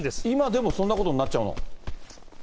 今でもそんなことになっちゃうの。